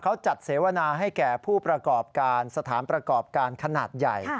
เขาจัดเสวนาให้แก่ผู้ประกอบการสถานประกอบการขนาดใหญ่